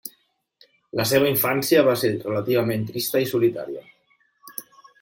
La seva infància va ser relativament trista i solitària.